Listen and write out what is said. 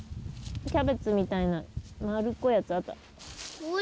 キャベツみたいな丸っこいやつあった。